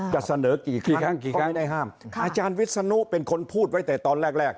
จะเสนอกี่ครั้งก็ไม่ได้ห้ามอาจารย์วิทย์สนุกเป็นคนพูดไว้แต่ตอนแรก